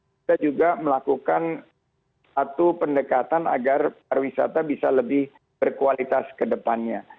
kita juga melakukan satu pendekatan agar pariwisata bisa lebih berkualitas ke depannya